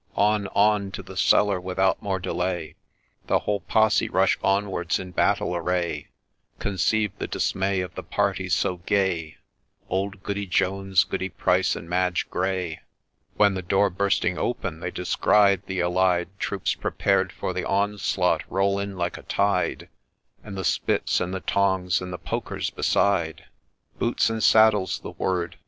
On, on to the cellar without more delay ! The whole posse rush onwards in battle array — Conceive the dismay of the party so gay, Old Goody Jones, Goody Price, and Madge Gray, When the door bursting wide, they descried the allied Troops, prepared for the onslaught, roll in like a tide, And the spits, and the tongs, and the pokers beside !—' Boot and saddle 's the word